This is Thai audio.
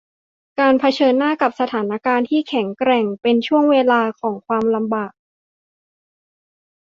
การเผชิญหน้ากับสถานการณ์ที่แข็งแกร่งเป็นช่วงเวลาของความลำบาก